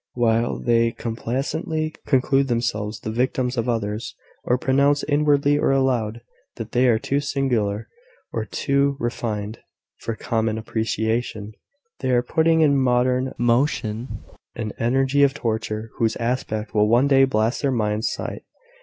While they complacently conclude themselves the victims of others, or pronounce, inwardly or aloud, that they are too singular, or too refined, for common appreciation, they are putting in motion an enginery of torture whose aspect will one day blast their minds' sight.